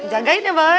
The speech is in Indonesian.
jagain ya boy